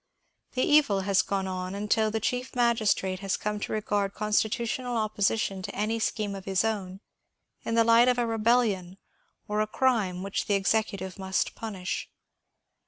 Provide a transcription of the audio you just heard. The evil has gone on until the Chief Magistrate has come to regard constitutional opposition to any scheme of his own in the light of a rebellion or a crime which the Executive must punish.